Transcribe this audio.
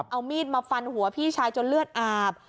เอามีดมาฟันหัวพี่ชายจนเลือดอาบ